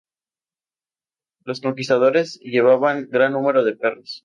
Los conquistadores llevaban gran número de perros.